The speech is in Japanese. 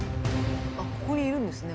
あっここにいるんですね。